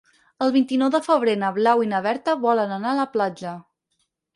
El vint-i-nou de febrer na Blau i na Berta volen anar a la platja.